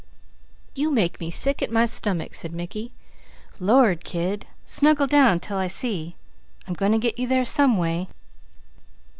"You make me sick at my stummick," said Mickey. "Lord, kid! Snuggle down 'til I see. I'm going to get you there some way."